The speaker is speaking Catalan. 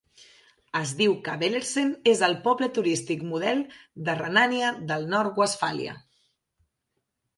Es diu que Bellersen és el "Poble Turístic model de Renània del Nord-Westfàlia".